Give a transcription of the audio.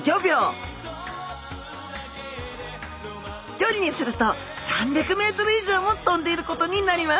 距離にすると３００メートル以上も飛んでいることになります。